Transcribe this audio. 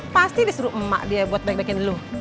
pasti disuruh emak dia buat baik baikin lo